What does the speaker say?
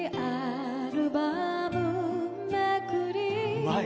うまい。